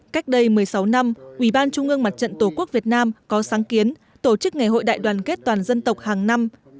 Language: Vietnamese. cách đây một mươi sáu năm ủy ban trung ương mặt trận tổ quốc việt nam có sáng kiến tổ chức ngày hội đại đoàn kết toàn dân tộc hàng năm